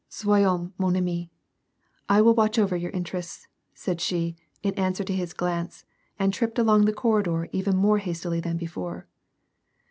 ''Soi/ez hommc, mon ami I I will watch over j^our interests," said she, in answer to his glance, and tripped along the cor ridor even more hastily than before.